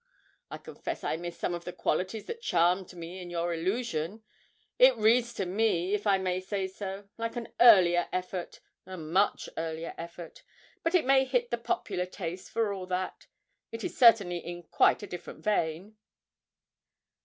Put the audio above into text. I confess I miss some of the qualities that charmed me in your "Illusion." It reads to me, if I may say so, like an earlier effort, a much earlier effort; but it may hit the popular taste for all that; and it is certainly in quite a different vein.'